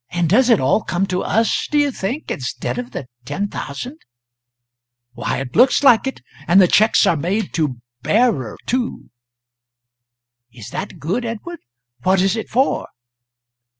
"And does it all come to us, do you think instead of the ten thousand?" "Why, it looks like it. And the cheques are made to 'Bearer,' too." "Is that good, Edward? What is it for?"